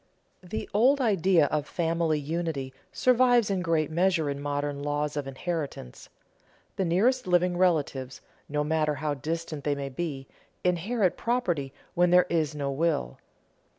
The old idea of family unity survives in great measure in modern laws of inheritance. The nearest living relatives, no matter how distant they may be, inherit property when there is no will.